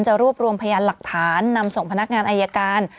รวบรวมพยานหลักฐานนำส่งพนักงานอายการ